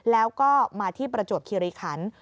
แล้วก็มาที่ประจวบคิริขัน